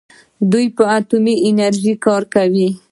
دوی په اټومي انرژۍ کار کوي.